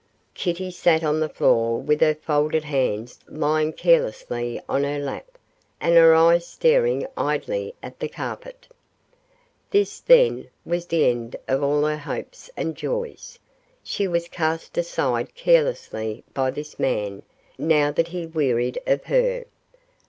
Kitty sat on the floor with her folded hands lying carelessly on her lap and her eyes staring idly at the carpet. This, then, was the end of all her hopes and joys she was cast aside carelessly by this man now that he wearied of her.